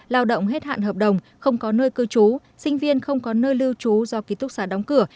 lao động hết hạn hợp đồng không có nơi cư trú sinh viên không có nơi lưu trú do ký túc xá đóng cửa